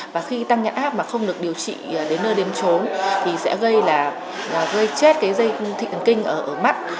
và khi tăng nhãn áp mà không được điều trị đến nơi đến trốn thì sẽ gây chết dây thị ẩn kinh ở mắt